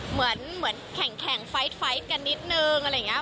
เหมือนแข่งไฟท์กันนิดนึงอะไรอย่างนี้